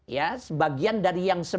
ya sebagian dari yang